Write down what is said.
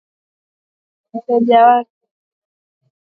Mkulima lazima awe na taarifa muhimu ya mahitaji ya mteja wake